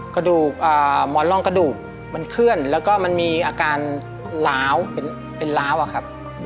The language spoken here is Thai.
กระดูกหมอนร่องกระดูกมันเคลื่อนแล้วก็มันมีอาการล้าวเป็นล้าวอะครับ